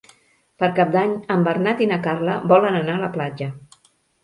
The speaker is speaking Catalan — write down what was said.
Per Cap d'Any en Bernat i na Carla volen anar a la platja.